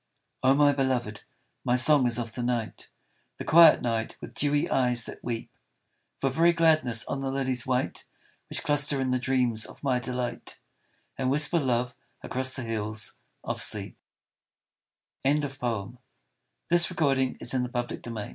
21 TO LILY Oh my beloved I my song is of the night, The quiet night with dewy eyes that weep For very gladness on the lilies white Which cluster in the dreams of my delight, And whisper love across the hills of sleep THE GLAD NIGHTS OF SPRING 'WE